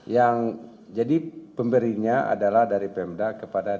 yang jadi pemberinya adalah dari pemda kepada